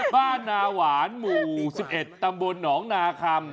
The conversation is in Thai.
บ้านนาหวานหมู่๑๑ตำบลหนองนาคำ